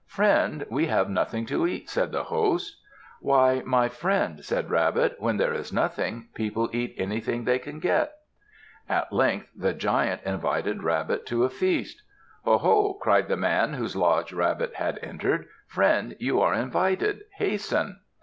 "Friend, we have nothing to eat," said the host. "Why, my friend," said Rabbit, "when there is nothing, people eat anything they can get." At length the Giant invited Rabbit to a feast. "Oh ho!" called the man whose lodge Rabbit had entered. "Friend, you are invited. Hasten!"